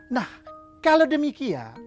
nah kalau demikian